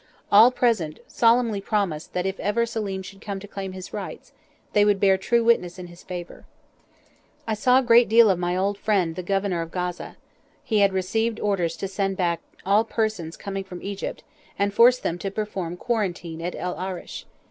All present solemnly promised that if ever Selim should come to claim his rights, they would bear true witness in his favour. I saw a great deal of my old friend the Governor of Gaza. He had received orders to send back all persons coming from Egypt, and force them to perform quarantine at El Arish.